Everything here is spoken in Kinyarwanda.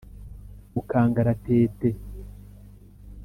mu kangaratete